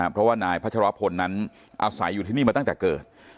เพราะว่านายพัชรพลนั้นอาศัยอยู่ที่นี่มาตั้งแต่เกิด